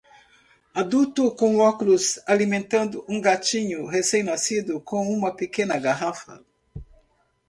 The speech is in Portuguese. Adulto com óculos alimentando um gatinho recém-nascido com uma pequena garrafa